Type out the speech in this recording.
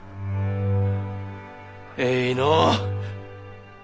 えいのう！